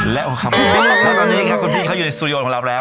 แล้วตอนนี้ค่ะคุณพี่เขาอยู่ในสตูริโนของเรารับแล้ว